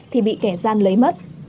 thì bị kẻ gian lấy mất